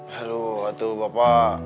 halo itu bapak